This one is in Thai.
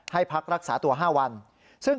พักรักษาตัว๕วัน